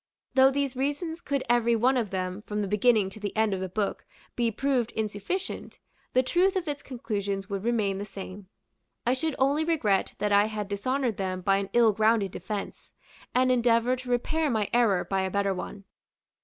Though these reasons could every one of them, from the beginning to the end of the book, be proved insufficient, the truth of its conclusions would remain the same. I should only regret that I had dishonored them by an ill grounded defence; and endeavor to repair my error by a better one.